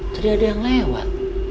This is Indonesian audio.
tadi ada yang lewat